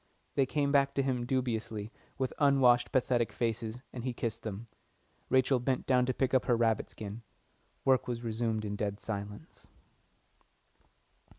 They came back to him dubiously, with unwashed, pathetic faces, and he kissed them. Rachel bent down to pick up her rabbit skin. Work was resumed in dead silence.